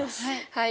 はい。